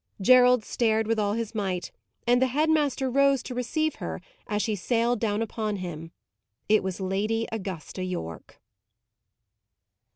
Gerald stared with all his might, and the head master rose to receive her as she sailed down upon him. It was Lady Augusta Yorke.